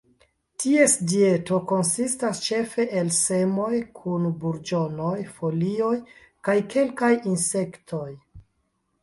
Ties dieto konsistas ĉefe el semoj kun burĝonoj, folioj kaj kelkaj insektoj.